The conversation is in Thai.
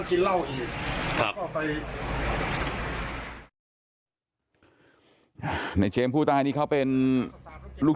ประตูจะขึ้นรถ